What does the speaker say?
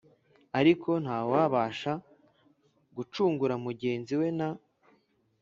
Ariko nta wubasha gucungura mugenzi we na